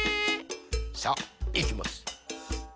さあいきます。